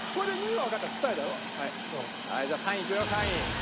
はいじゃあ３位いくよ３位。